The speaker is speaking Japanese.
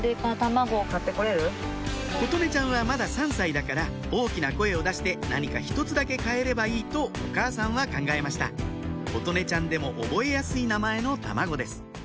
琴音ちゃんはまだ３歳だから大きな声を出して何か１つだけ買えればいいとお母さんは考えました琴音ちゃんでも覚えやすい名前の卵です